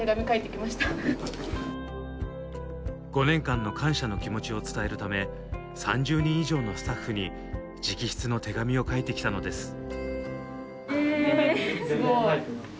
５年間の感謝の気持ちを伝えるため３０人以上のスタッフに直筆の手紙を書いてきたのです。